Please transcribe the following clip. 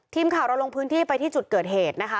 ทีมข่าวเราลงพื้นที่ไปที่จุดเกิดเหตุนะคะ